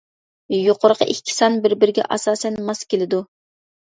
يۇقىرىقى ئىككى سان بىر-بىرىگە ئاساسەن ماس كېلىدۇ.